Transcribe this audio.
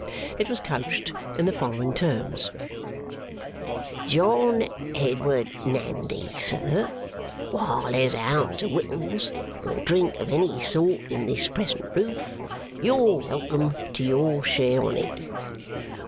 It was couched in the following terms: 'John Edward Nandy. Sir. While there's a ounce of wittles or drink of any sort in this present roof, you're fully welcome to your share on it.